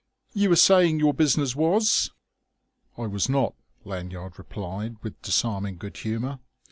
"You were saying your business was...?" "I was not," Lanyard replied with disarming good humour.